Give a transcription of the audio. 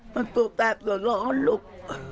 มันตรงแสบตัวร้อนลุก